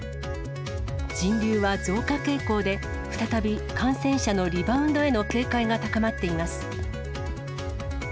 人流は増加傾向で、再び感染者のリバウンドへの警戒が高まっています。